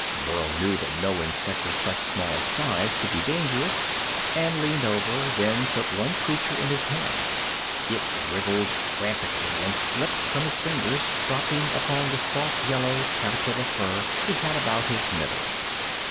Burl knew that no insect of such small size could be dangerous, and leaned over, then took one creature in his hand. It wriggled frantically and slipped from his fingers, dropping upon the soft yellow caterpillar fur he had about his middle.